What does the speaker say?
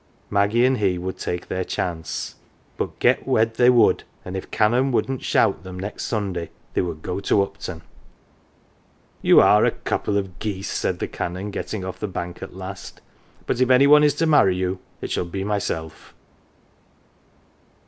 Maggie and he would take their chance ; but get wed they would, and if 201 LITTLE PAUPERS Canon wouldn't shout them next Sunday they would go to Upton. " You are a couple of geese,"" said the Canon, getting off the bank at last ;" but if any one is to marry you, it shall be myself.